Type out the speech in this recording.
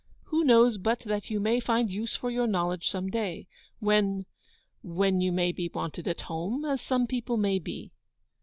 Who knows but that you may find use for your knowledge some day? When when you may be wanted at home, as some people may be.